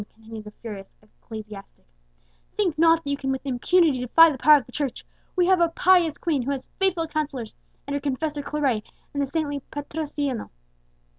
continued the furious ecclesiastic, "think not that you can with impunity defy the power of the Church! We have a pious Queen, who has faithful counsellors in her confessor Claret and the saintly Patrocinio.